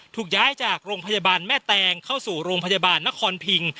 ถูกย้ายจากโรงพยาบาลแม่แตงเข้าสู่โรงพยาบาลนครพิง